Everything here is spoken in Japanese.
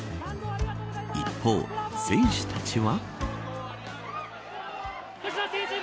一方、選手たちは。